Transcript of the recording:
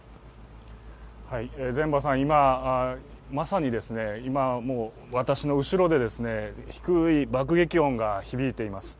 今、まさに私の後ろで低い爆撃音が響いています。